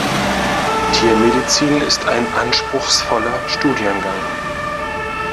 Tiermedizin ist ein anspruchsvoller Studiengang.